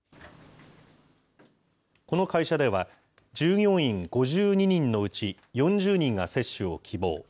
この会社では、従業員５２人のうち４０人が接種を希望。